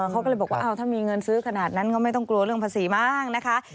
เขาก็เลยบอกว่าถ้ามีเงินซื้อขนาดนั้นก็ไม่ต้องกลัวเรื่องภาษีมั้งนะคะ